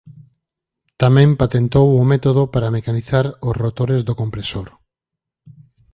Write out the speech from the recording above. Tamén patentou o método para mecanizar os rotores do compresor.